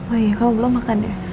oh iya kamu belum makan ya